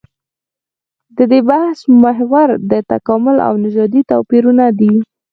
د دې بحث محور د تکامل او نژادي توپيرونه دي.